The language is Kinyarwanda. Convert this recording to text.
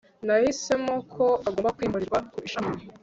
nahisemo ko agomba kwimurirwa ku ishami